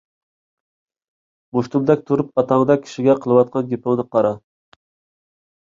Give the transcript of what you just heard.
— مۇشتۇمدەك تۇرۇپ، ئاتاڭدەك كىشىگە قىلىۋاتقان گېپىڭنى قارا.